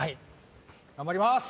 頑張ります。